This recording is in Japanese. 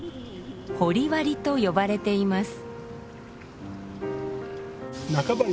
「掘割」と呼ばれています。